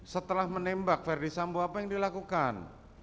setelah menembak ferdisambu apa yang dilakukan